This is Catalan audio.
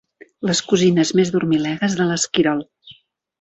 Les cosines més dormilegues de l'esquirol.